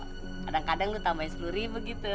kadang kadang lo tambahin sepuluh ribu gitu